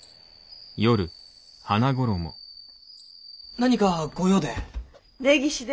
何かご用で？